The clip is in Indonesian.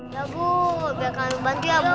ya bu biar kamu bantu ya bu